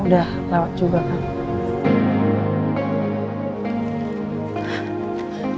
udah lewat juga kan